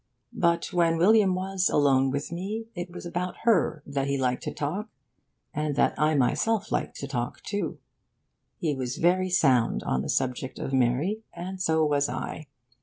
But when William was alone with me it was about her that he liked to talk, and that I myself liked to talk too. He was very sound on the subject of Mary; and so was I.